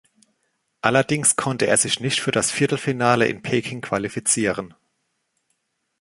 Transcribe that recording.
Allerdings konnte er sich nicht für das Viertelfinale in Peking qualifizieren.